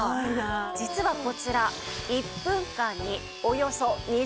実はこちら１分間におよそ２８００